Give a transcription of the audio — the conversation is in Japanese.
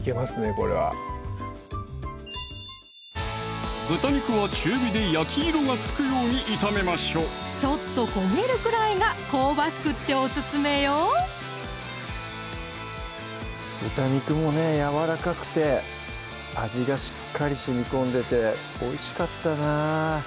これは豚肉は中火で焼き色がつくように炒めましょうちょっと焦げるくらいが香ばしくってオススメよ豚肉もねやわらかくて味がしっかりしみこんでておいしかったな